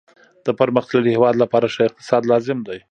د پرمختللي هیواد لپاره ښه اقتصاد لازم دی